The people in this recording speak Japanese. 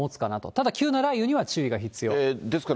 ただ急な雷雨には注意が必要。